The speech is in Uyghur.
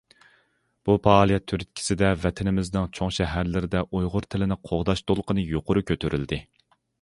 بۇ پائالىيەت تۈرتكىسىدە ۋەتىنىمىزنىڭ چوڭ شەھەرلىرىدە ئۇيغۇر تىلىنى قوغداش دولقۇنى يۇقىرى كۆتۈرۈلدى.